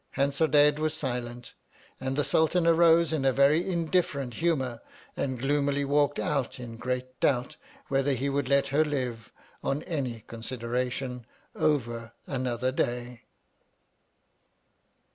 Hansardadade was silent, and the Sultan arose in a very indifferent humour and gloomily walked out — in great doubt whether he would let her live, on any con sideration, over another day.